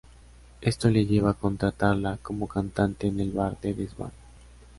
Esto le lleva a contratarla como cantante en el bar del desván.